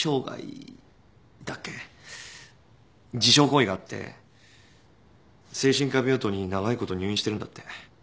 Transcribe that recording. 自傷行為があって精神科病棟に長いこと入院してるんだって。